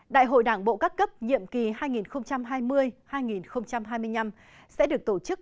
đại hội đảng bộ các cấp nhiệm kỳ hai nghìn hai mươi hai nghìn hai mươi năm sẽ được tổ chức